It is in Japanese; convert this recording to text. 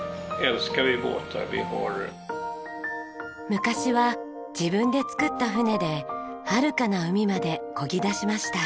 昔は自分で造った船ではるかな海まで漕ぎ出しました。